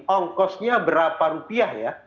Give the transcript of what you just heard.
ongkosnya berapa rupiah ya